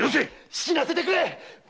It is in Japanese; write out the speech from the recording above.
死なせてくれ！